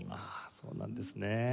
そうなんですね。